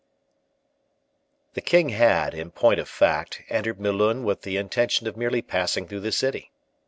The king had, in point of fact, entered Melun with the intention of merely passing through the city.